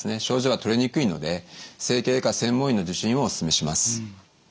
症状は取れにくいので整形外科専門医の受診をお勧めします。